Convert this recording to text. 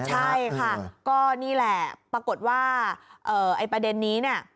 ใช่ค่ะก็นี่แหละปรากฏว่าประเด็นนี้